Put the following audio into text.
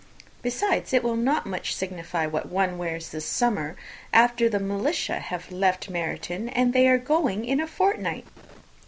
Besides, it will not much signify what one wears this summer, after the shire have left Meryton, and they are going in a fortnight."